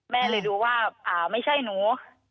แม่เลยดูว่าไม่ใช่หนู